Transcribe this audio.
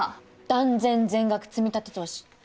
断然全額積み立て投資！